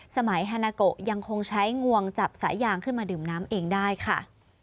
สมัยฮานาโกยังคงใช้งวงจับสายยางขึ้นมาดื่มน้ำเองได้ค่ะ